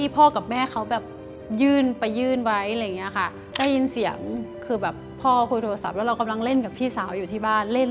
พ่อคุยโทรศัพท์แล้วเรากำลังเล่นกับพี่สาวอยู่ที่บ้าน